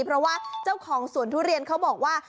เพราะว่าเจ้าของสวนทุเรียนเขาบอกว่า